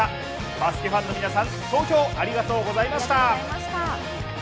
バスケファンの皆さん、投票ありがとうございました。